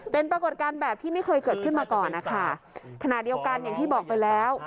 เป็นปรากฏการณ์แบบที่ไม่เคยเกิดขึ้นมาก่อนนะคะขณะเดียวกันอย่างที่บอกไปแล้ว